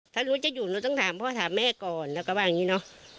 ถ้ารู้จะอยู่เราต้องถามพ่อถามแม่ก่อนแล้วก็ว่าอย่างนี้เนอะ